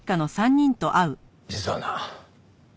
実はな。